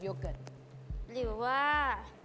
เบ๊กเองก็ยินมา